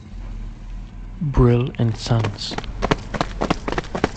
Brill and Sons.